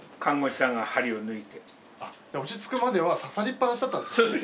落ち着くまでは刺さりっぱなしだったんですね。